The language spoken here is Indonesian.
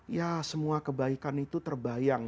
ya semua kebaikan itu terbayang